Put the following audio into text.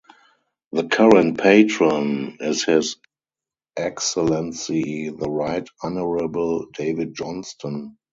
The current patron is His Excellency the Right Honourable David Johnston.